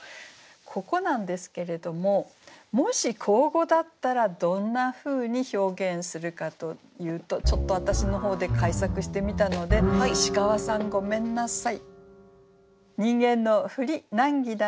ここなんですけれどももし口語だったらどんなふうに表現するかというとちょっと私の方で改作してみたので石川さんごめんなさい。